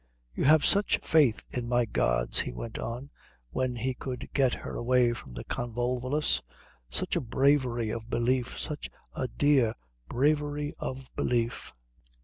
"You have such faith in my gods," he went on, when he could get her away from the convolvulus, "such a bravery of belief, such a dear bravery of belief."